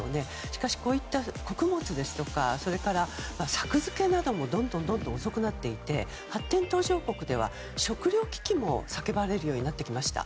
しかしこういった穀物ですとか柵付けなどもどんどん遅くなっていて発展途上国では食糧危機も叫ばれるようになってきました。